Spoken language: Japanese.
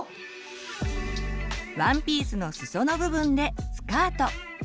ワンピースのすその部分でスカート。